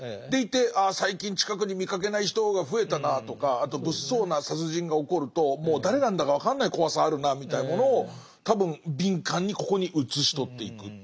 でいてああ最近近くに見かけない人が増えたなぁとかあと物騒な殺人が起こるともう誰なんだか分かんない怖さあるなみたいなものを多分敏感にここに写し取っていく。